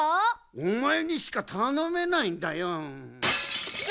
おまえにしかたのめないんだよ。わ！